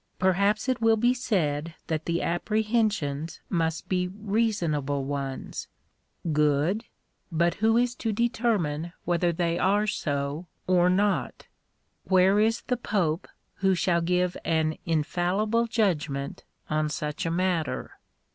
Perhaps it will be said that the apprehensions must be reasonable ones. Good ; but who is to determine whether they are so or not? Where is the pope who shall give an infallible judgment on such a matter